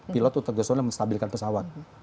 pilot itu tergesolah menstabilkan pesawat